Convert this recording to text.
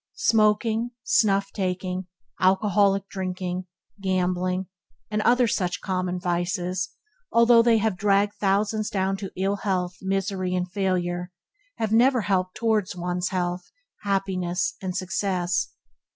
Smoking, snuff taking, alcoholic drinking, gambling, and other such common vices, although they have dragged thousands down to ill health, misery, and failure, have never helped one towards health, happiness and success.